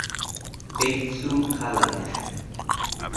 বেকসুর খালাস।